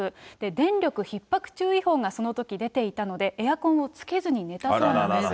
電力ひっ迫注意報がそのとき出ていたので、エアコンをつけずに寝たそうです。